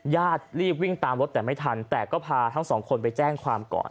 ญาติรีบวิ่งตามรถแต่ไม่ทันแต่ก็พาทั้งสองคนไปแจ้งความก่อน